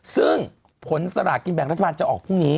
ซึ่งผลสลากกินแบ่งรัฐบาลจะออกพรุ่งนี้